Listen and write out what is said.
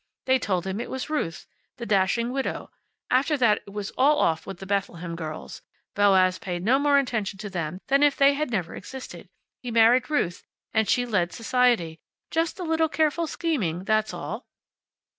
They told him it was Ruth, the dashing widow. After that it was all off with the Bethlehem girls. Boaz paid no more attention to them than if they had never existed. He married Ruth, and she led society. Just a little careful scheming, that's all."